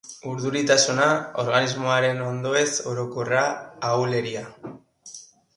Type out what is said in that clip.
Urduritasuna, organismoaren ondoez orokorra, ahuleria.